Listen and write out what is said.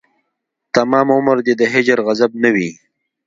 تمام عمر دې د هجر غضب نه وي